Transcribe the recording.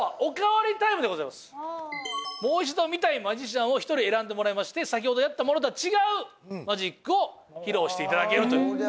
もう一度見たいマジシャンを１人選んでもらいまして先ほどやったものとは違うマジックを披露していただけるという。